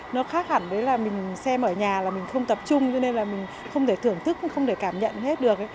nó khác hẳn với là mình xem ở nhà là mình không tập trung cho nên là mình không thể thưởng thức cũng không thể cảm nhận hết được